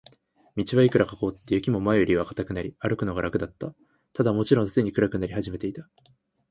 道はいくらか凍って、雪も前よりは固くなり、歩くのが楽だった。ただ、もちろんすでに暗くなり始めていた。